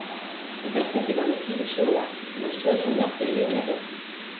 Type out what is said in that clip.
私たちが用いる主語はいつも指導者になっているよねと。